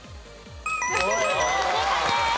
正解です。